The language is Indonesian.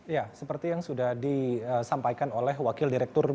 ya seperti yang sudah disampaikan oleh wakil direktur